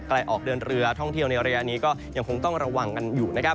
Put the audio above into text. ใกล้ออกเดินเรือท่องเที่ยวในอริยานี้ก็ยังคงต้องระวังกันอยู่